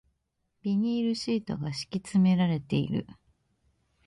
ビニールシートが敷き詰められている